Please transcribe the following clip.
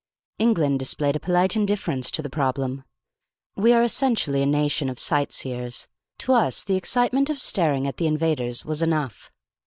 England displayed a polite indifference to the problem. We are essentially a nation of sight seers. To us the excitement of staring at the invaders was enough.